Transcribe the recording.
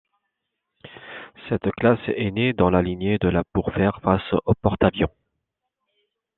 Cette classe est née dans la lignée de la pour faire face aux porte-avions.